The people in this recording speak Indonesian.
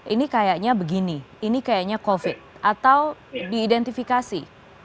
ini kayaknya begini ini kayaknya covid atau diidentifikasi